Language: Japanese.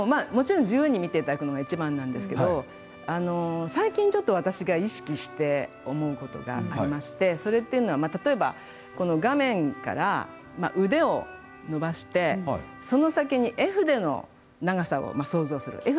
もちろん自由に見ていただくのが一番なんですけど最近ちょっと私が意識して思うことがありましてそれっていうのは例えば画面から腕を伸ばしてその先に絵筆の長さを想像する。